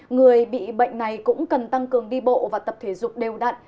người bị bệnh này cũng cần tăng cường đi bộ và tập thể dục đều đặn